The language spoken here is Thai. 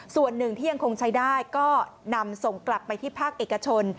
ส่วนหนึ่งที่ยังคงใช้ได้ก็นำส่งกลับไปที่ภาคเอกชน